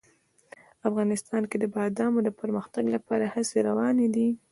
افغانستان کې د بادامو د پرمختګ لپاره هڅې روانې دي.